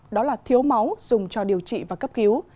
đó là thiếu máu dùng cho điều trị và cấp cứu